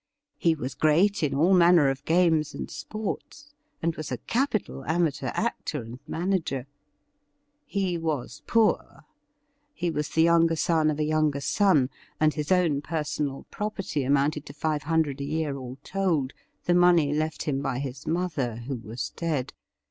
He was great in all manner of games and sports, and was a capital amateur actor and manager. He was poor. He was the younger son of a younger son, and his own personal property amounted to five hundred a year all told — ^the money left him by his mother, who was dead.